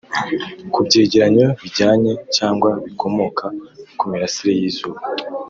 Ku byegeranyo bijyanye cyangwa bikomoka ku mirasire y’izuba